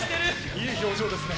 いい表情ですね。